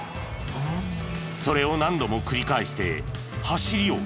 それを何度も繰り返して走りを競う。